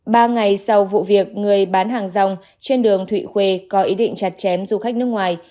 ba ngày sau vụ việc người bán hàng rong trên đường thụy khuê có ý định chặt chém du khách nước ngoài